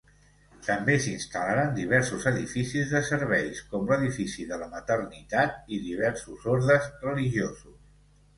També s'instal·laren diversos edificis de serveis, com l'edifici de la Maternitat i diversos ordes religiosos.